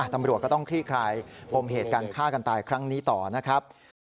ทำรวจก็ต้องคลี่คลายอบเหตุการณ์ฆ่ากันตายต่อนะครับ